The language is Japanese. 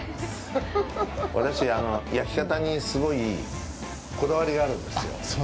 私、焼き方にすごいこだわりがあるんですよ。